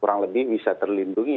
kurang lebih bisa terlindungi